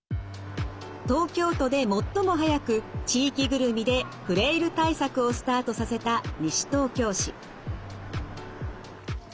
東京都で最も早く地域ぐるみでフレイル対策をスタートさせた西東京市。